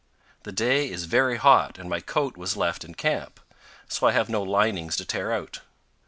The day is very hot and my coat was left in camp, so I have no linings to tear out.